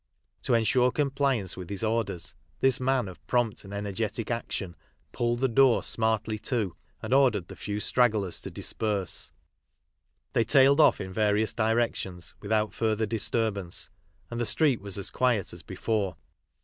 To ensure compliance with his orders, this man of prompt and energetic action pulled the door smartly to and ordered the few stragglers to disperse. They tailed off in various directions without further disturbance, and the street was as quiet as before.